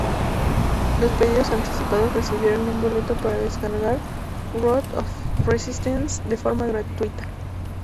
Los pedidos anticipados recibieron un boleto para descargar "Road of Resistance" de forma gratuita.